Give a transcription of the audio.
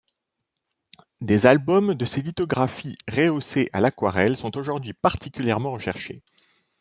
Des albums de ces lithographies rehaussées à l'aquarelle sont aujourd'hui particulièrement recherchés.